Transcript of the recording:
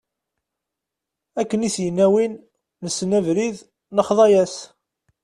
Akken i s-yenna win: nessen abrid nexḍa-as.